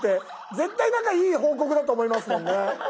絶対なんか良い報告だと思いますもんね。